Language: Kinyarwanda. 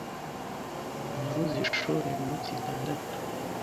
Nabuze ishuri iminsi itandatu.